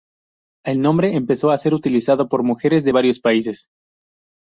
El nombre empezó a ser utilizado por mujeres de varios países.